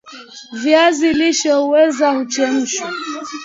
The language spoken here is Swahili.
viazi lishe huweza huchemshwa